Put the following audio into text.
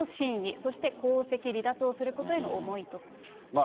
そして皇籍離脱をすることへの思いという。